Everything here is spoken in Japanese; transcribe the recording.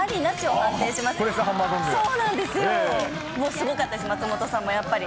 すごかったです、松本さんもやっぱり。